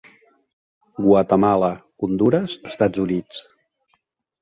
Guatemala, Hondures, Estats Units.